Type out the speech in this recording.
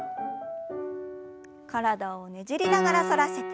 体をねじりながら反らせて。